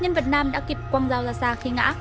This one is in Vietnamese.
nhân vật nam đã kịp quăng dao ra xa khi ngã